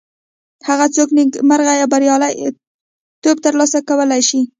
هغه څوک نیکمرغي او بریالیتوب تر لاسه کولی شي.